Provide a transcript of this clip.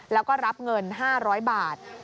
แล้วก็รับเงิน๕๐๐บาท